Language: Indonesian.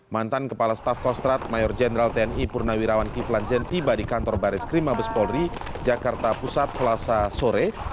mantan kepala staf kostrat mayor jenderal tni purnawirawan kiflan zen tiba di kantor baris krim abes polri jakarta pusat selasa sore